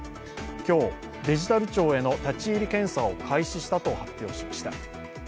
今日、デジタル庁への立ち入り検査を開始したと発表しました。